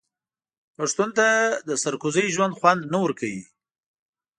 پښتون ته د سرکوزۍ ژوند خوند نه ورکوي.